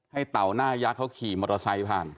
ให้เตาหน้ายัดเขาขี่มอเตอร์ไซค์ผ่าน